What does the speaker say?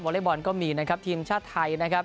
เล็กบอลก็มีนะครับทีมชาติไทยนะครับ